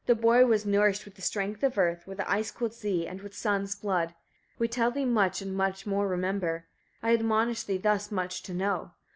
37. The boy was nourished with the strength of earth, with the ice cold sea, and with Son's blood. We tell thee much, and more remember. I admonish thee thus much to know.